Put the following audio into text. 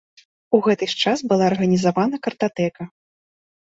У гэта ж час была арганізавана картатэка.